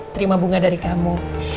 terima bunga dari kamu